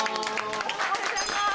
おはようございます。